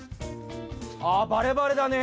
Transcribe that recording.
あバレバレだね。